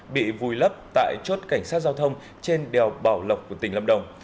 bị vùi lấp tại chốt cảnh sát giao thông trên đèo bảo lộc của tỉnh lâm đồng